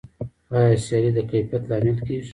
آیا سیالي د کیفیت لامل کیږي؟